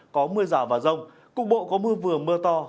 có mưa rào và rông cục bộ có mưa vừa mưa to